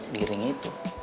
di ring itu